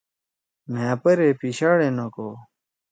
مھأ پرے پیشاڈے نکو۔